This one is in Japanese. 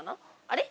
あれ？